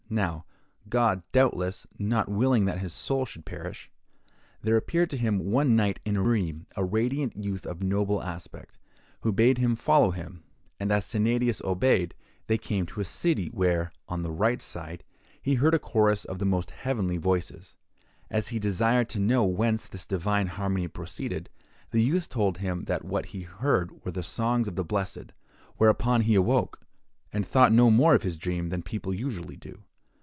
Now, God, doubtless, not willing that his soul should perish, there appeared to him one night, in a dream, a radiant youth of noble aspect, who bade him follow him; and as Sennadius obeyed, they came to a city where, on the right side, he heard a chorus of the most heavenly voices. As he desired to know whence this divine harmony proceeded, the youth told him that what he heard were the songs of the blessed; whereupon he awoke, and thought no more of his dream than people usually do.